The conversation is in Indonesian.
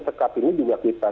tekap ini juga kita